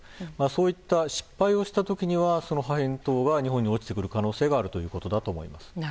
そういった失敗をした時にはその破片等が日本に落ちてくる可能性があるということだと思います。